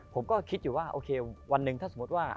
ผมก็คิดอยู่ว่าโอเควันหนึ่งถ้าสมมติว่า